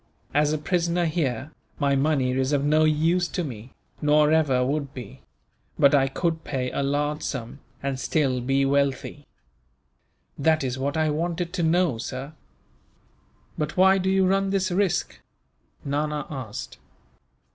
"As a prisoner here, my money is of no use to me, nor ever would be; but I could pay a large sum, and still be wealthy." "That is what I wanted to know, sir." "But why do you run this risk?" Nana asked.